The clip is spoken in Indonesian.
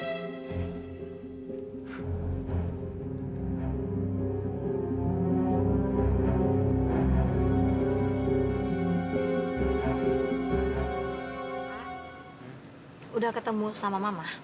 sudah ketemu sama mama